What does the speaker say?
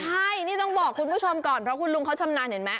ใช่นี่ต้องบอกคุณผู้ชมก่อนเพราะคุณลุงเขาชำนาญเห็นไหม